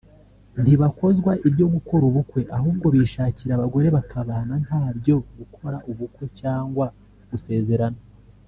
ntibakozwa ibyo gukora ubukwe ahubwo bishakira abagore bakabana ntabyo gukora ubukwe cyangwa gusezerana